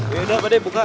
ya udah fadeh buka